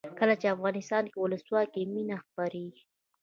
کله چې افغانستان کې ولسواکي وي مینه خپریږي.